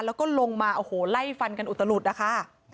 แล้วก็ลงมาโอ้โหไล่ฟันกันอุตลุดนะคะ